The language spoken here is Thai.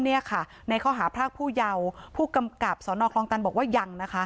ในข้อหาพรากผู้เยาว์ผู้กำกับสนคลองตันบอกว่ายังนะคะ